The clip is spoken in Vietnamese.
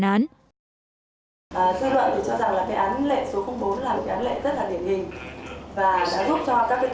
dư luận thì cho rằng là cái án lệ số bốn là một cái án lệ rất là điển hình